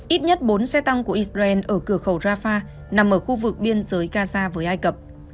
ít nhất bốn xe tăng của israel ở cửa khẩu rafah nằm ở khu vực biên giới gaza với ai cập